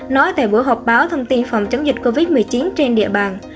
nói tại buổi họp báo thông tin phòng chống dịch covid một mươi chín trên địa bàn